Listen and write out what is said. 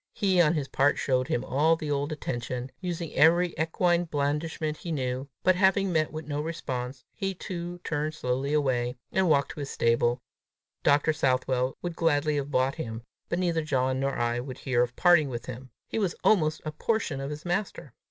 He on his part showed him all the old attention, using every equine blandishment he knew; but having met with no response, he too turned slowly away, and walked to his stable, Dr. Southwell would gladly have bought him, but neither John nor I would hear of parting with him: he was almost a portion of his master!